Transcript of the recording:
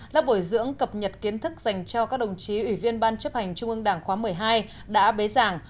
lớp bồi dưỡng cập nhật kiến thức dành cho các đồng chí ủy viên ban chấp hành trung ương đảng khóa một mươi hai đã bế giảng